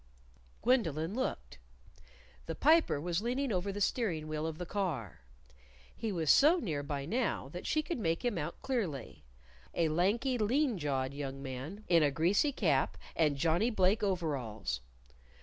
_" Gwendolyn looked. The Piper was leaning over the steering wheel of the car. He was so near by now that she could make him out clearly a lanky, lean jawed young man in a greasy cap and Johnnie Blake overalls.